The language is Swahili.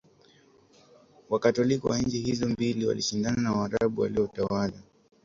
Wakatoliki wa nchi hizo mbili walishindana na Waarabu waliotawala